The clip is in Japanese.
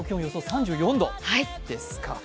３４度ですか。